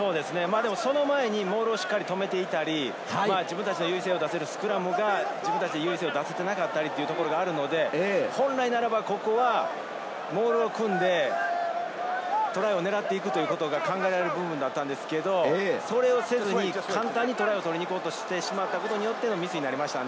その前にモールをしっかり止めていたり、自分たちの優位性を出せるスクラムが自分たちの優位性を出せていなかったり、本来ならここはモールを組んで、トライを狙っていくということが考えられる部分だったんですけれど、それを狙いに簡単にトライを取りに行こうとしてしまったのでミスになりました。